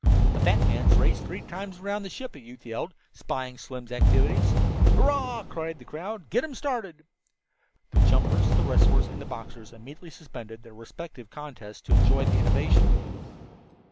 "A fat man's race three times around the ship!" a youth yelled, spying Slim's activities. "Hurrah!" cried the crowd. "Get them started." The jumpers, the wrestlers, and the boxers immediately suspended their respective contests to enjoy the innovation.